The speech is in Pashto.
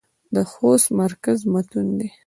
د خوست مرکز متون دى.